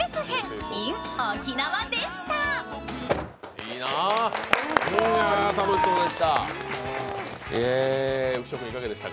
いいな、楽しそうでした。